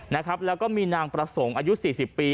นะครับแล้วก็มีนางประสงค์อายุสี่สิบปี